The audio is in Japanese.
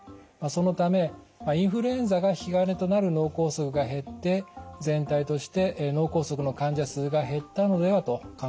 そのためインフルエンザが引き金となる脳梗塞が減って全体として脳梗塞の患者数が減ったのではと考えています。